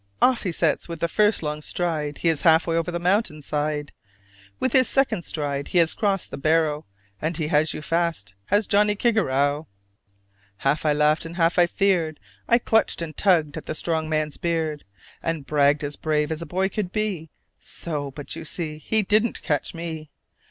Off he sets: with the first long stride He is halfway over the mountain side: With his second stride he has crossed the barrow, And he has you fast, has Johnnie Kigarrow!" Half I laughed and half I feared; I clutched and tugged at the strong man's beard, And bragged as brave as a boy could be "So? but, you see, he didn't catch me!"